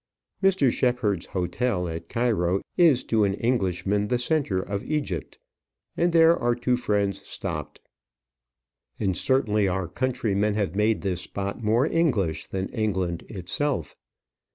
Mr. Shepheard's hotel at Cairo is to an Englishman the centre of Egypt, and there our two friends stopped. And certainly our countrymen have made this spot more English than England itself.